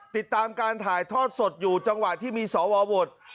ติดตามการถ่ายทอดสดอยู่จังหวะที่มีสวโหวต